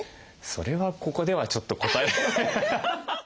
それはここではちょっと答えられない。